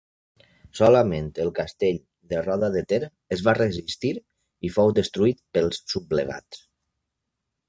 Solament el castell de Roda de Ter es va resistir i fou destruït pels sublevats.